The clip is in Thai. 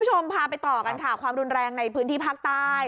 คุณผู้ชมพาไปต่อกันค่ะความรุนแรงในพื้นที่ภาคใต้